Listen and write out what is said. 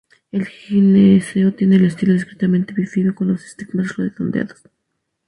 El gineceo tiene el estilo discretamente bífido con los estigmas redondeados.